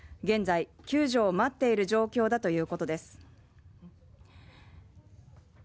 現在、救助を待っている状況だということです。